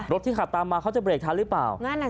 คนที่ขับตามมาเขาจะเบรกทันหรือเปล่า